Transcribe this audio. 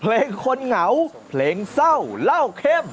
เพลงคนเหงาเพลงเศร้าเล่าเข้ม